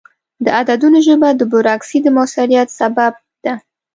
د عددونو ژبه د بروکراسي د موثریت سبب ده.